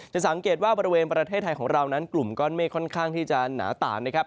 สังเกตว่าบริเวณประเทศไทยของเรานั้นกลุ่มก้อนเมฆค่อนข้างที่จะหนาตานนะครับ